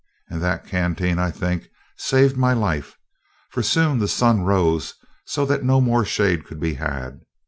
And that canteen, I think, saved my life; for soon the sun rose so that no more shade could be had.